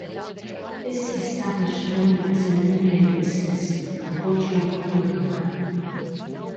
This established one of his many aliases, the 'Quadra Kora Man.